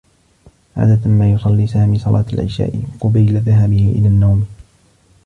عادة ما يصلّي سامي صلاة العشاء قبيل ذهابه إلى النّوم.